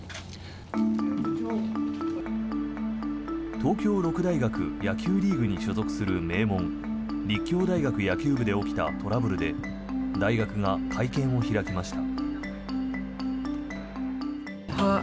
東京六大学野球リーグに所属する名門立教大学野球部で起きたトラブルで大学が会見を開きました。